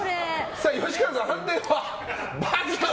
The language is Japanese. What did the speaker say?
吉川さん、判定は？×！